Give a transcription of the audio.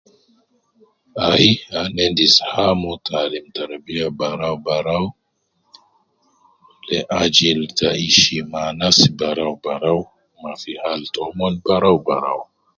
Ai ana endis ham te alim tarabiya barau barau le ajil ta ishima anas barau barau ma fi hal tomon barau barau